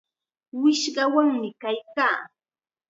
Wishqawanmi kaykaa.